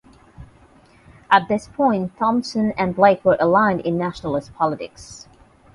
At this point Thomson and Blake were aligned in nationalist politics.